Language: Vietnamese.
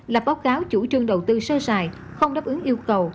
lập báo cáo chủ trương đầu tư sơ sài không đáp ứng yêu cầu